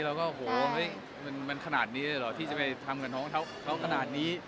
เราก็โหมันขนาดนี้เลยเหรอที่จะไปทำกับน้องเขาขนาดนี้